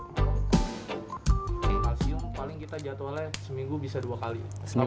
kalau kalsium paling kita jadwalnya seminggu bisa dua kali